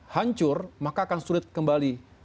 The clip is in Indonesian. hancur maka akan sulit kembali